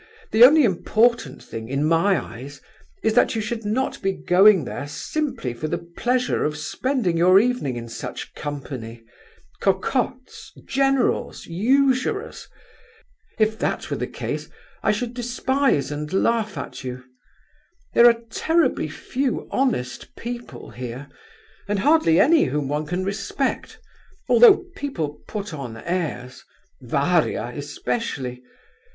The only important thing, in my eyes, is that you should not be going there simply for the pleasure of spending your evening in such company—cocottes, generals, usurers! If that were the case I should despise and laugh at you. There are terribly few honest people here, and hardly any whom one can respect, although people put on airs—Varia especially!